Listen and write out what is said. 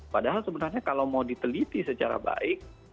padahal sebenarnya kalau mau diteliti secara baik